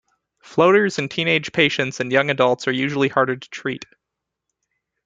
Floaters in teenage patients and young adults are usually harder to treat.